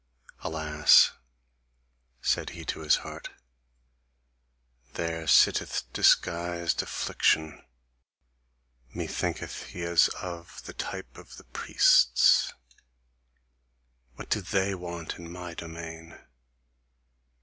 "Alas," said he to his heart, "there sitteth disguised affliction; methinketh he is of the type of the priests: what do THEY want in my domain?